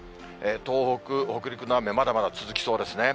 東北、北陸の雨、まだまだ続きそうですね。